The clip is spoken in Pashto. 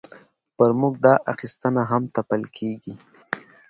پر موږ دا اخیستنه هم تپل کېږي.